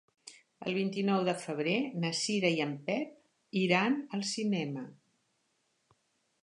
El vint-i-nou de febrer na Cira i en Pep iran al cinema.